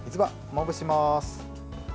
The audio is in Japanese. まぶします。